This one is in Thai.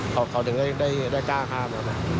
เขาถึงได้กล้าข้าม